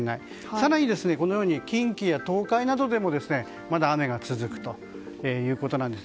更に、近畿や東海などでもまだ雨が続くということなんです。